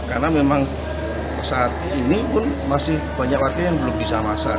karena memang saat ini pun masih banyak wakil yang belum bisa masak